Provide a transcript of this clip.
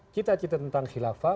cita cita tentang khilafah